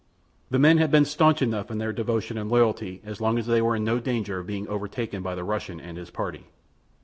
The men had been staunch enough in their devotion and loyalty as long as they were in no danger of being overtaken by the Russian and his party.